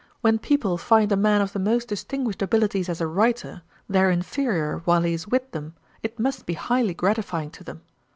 When people find a man of the most distinguished abilities as a writer, their inferiour while he is with them, it must be highly gratifying to them.